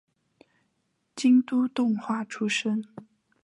京都动画出身。